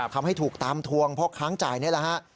ทำให้ถูกตามทวงเพราะค้างจ่ายนี่แหละฮะ